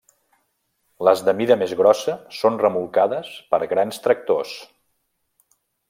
Les de mida més grossa són remolcades per grans tractors.